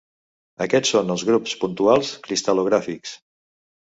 Aquests són els grups puntuals cristal·logràfics.